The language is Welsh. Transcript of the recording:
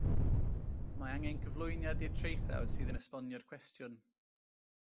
Mae angen cyflwyniad i'r traethawd sydd yn esbonio'r cwestiwn